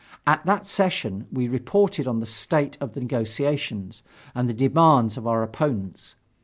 At that session, we reported on the state of the negotiations, and the demands of our opponents.